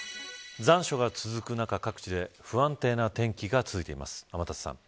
残暑が続く中、各地で不安定な天気が続いています。